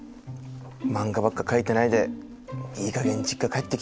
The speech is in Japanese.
漫画ばっか描いてないでいいかげん実家帰ってきてよ。